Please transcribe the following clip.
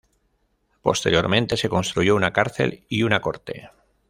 Posteriormente se construyó una cárcel y una corte.